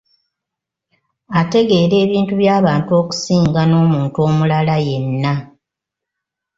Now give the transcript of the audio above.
Ategeera ebizibu by'abantu okusinga n'omuntu omulala yenna.